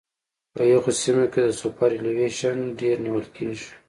په یخو سیمو کې سوپرایلیویشن ډېر نیول کیږي